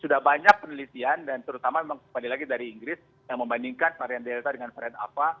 sudah banyak penelitian dan terutama memang kembali lagi dari inggris yang membandingkan varian delta dengan varian alpha